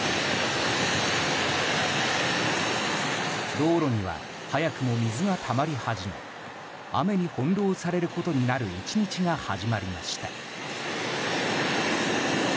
道路には早くも水がたまり始め雨に翻弄されることになる１日が始まりました。